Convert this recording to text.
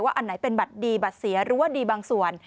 อันไหนเป็นบัตรดีบัตรเสียหรือว่าดีบางส่วน